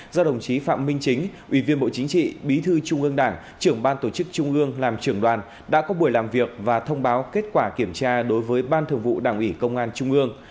do đồng chí phạm minh chính ủy viên bộ chính trị bí thư trung ương đảng trưởng ban tổ chức trung ương làm trưởng đoàn đã có buổi làm việc và thông báo kết quả kiểm tra đối với ban thường vụ đảng ủy công an trung ương